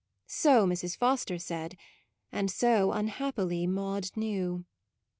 So Mrs. Foster said, and so unhappily Maude knew.